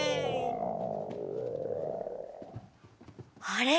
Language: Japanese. あれ？